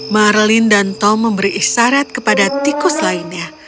marlin dan tom memberi isyarat kepada tikus lainnya